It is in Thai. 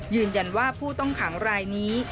ยืนยันว่าผู้ต้องขังรายนี้